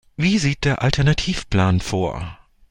Was sieht der Alternativplan vor?